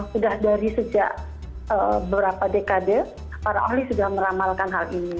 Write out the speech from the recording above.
sudah dari sejak beberapa dekade para ahli sudah meramalkan hal ini